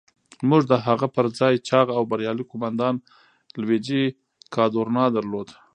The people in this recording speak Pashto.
موږ د هغه پر ځای چاغ او بریالی قوماندان لويجي کادورنا درلود.